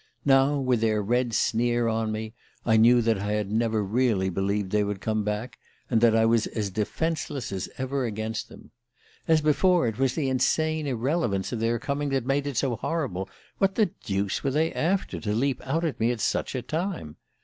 Now, with their red sneer on me, I knew that I had never really believed they would come back, and that I was as defenceless as ever against them ... As before, it was the insane irrelevance of their coming that made it so horrible. What the deuce were they after, to leap out at me at such a time?